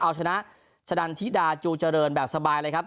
เอาชนะชะดันธิดาจูเจริญแบบสบายเลยครับ